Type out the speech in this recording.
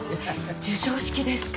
授賞式ですか。